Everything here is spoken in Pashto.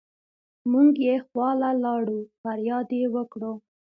مونږ يې خواله لاړو فرياد يې وکړو